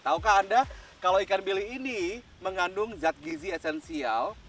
taukah anda kalau ikan bili ini mengandung zat gizi esensial